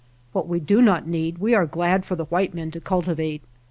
What we do not need we are glad for the I white men to cultivate.